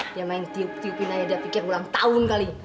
dia main tiup tiupin aja dia pikir ulang tahun kali